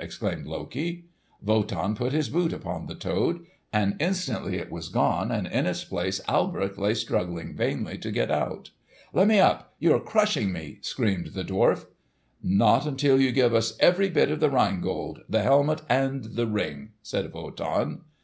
exclaimed Loki. Wotan put his foot upon the toad, and instantly it was gone, and in its place Alberich lay struggling vainly to get out. "Let me up! You are crushing me!" screamed the dwarf. "Not until you give us every bit of the Rhine Gold, the helmet and the Ring," said Wotan.